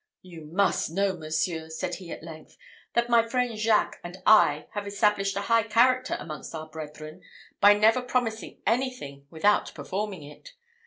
"You must know, monseigneur," said he, at length, "that my friend Jacques and I have established a high character amongst our brethren, by never promising anything without performing it.